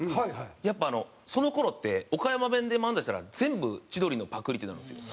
やっぱその頃って岡山弁で漫才したら全部千鳥のパクリってなるんですよ。